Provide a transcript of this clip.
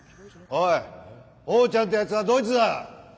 おいほーちゃんってやつはどいつだ？